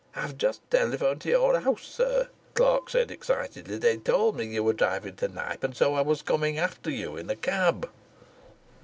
"I have just telephoned to your house, sir," the clerk said excitedly. "They told me you were driving to Knype and so I was coming after you in a cab."